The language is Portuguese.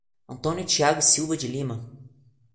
Antônio Tiago Silva de Lima